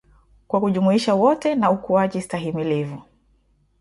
kwa kujumuisha wote na ukuaji stahimilivu